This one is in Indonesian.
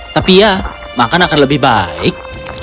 tapi ya makan akan lebih baik